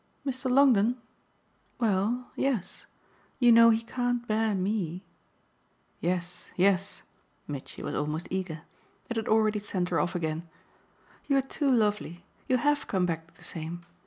"Mr. Longdon? Well, yes. You know he can't bear ME " "Yes, yes" Mitchy was almost eager. It had already sent her off again. "You're too lovely. You HAVE come back the same.